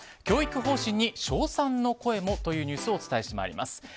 教育方針に称賛の声も？というニュースをお伝えしてまいります。